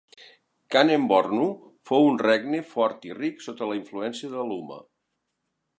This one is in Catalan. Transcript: Kanem-Bornu fou un regne fort i ric sota la influència d'Alooma.